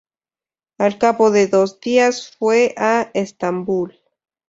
Al cabo de dos días fue a Estambul.